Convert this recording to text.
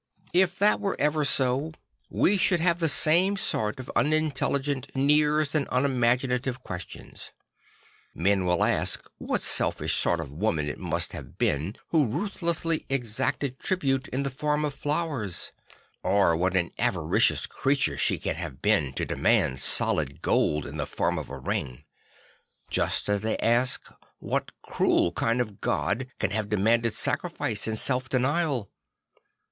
If that were ever so, we should have the same sort of unintelli gent sneers and unimaginative questions. Men will ask what selfish sort of woman it must have been who ruthlessly exacted tribute in the form of flowers, or what an avaricious creature she can ha ve been to demand solid gold in the form of a ring; just as they ask what cruel kind of God can ha ve demanded sacrifice and self denial.